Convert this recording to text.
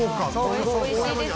美味しいですよ